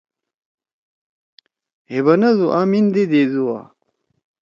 ہے بنَدُو آ میندے دے دُوا۔